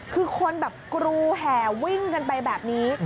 คือคนแบบกรูแห่วิ่งกันไปแบบนี้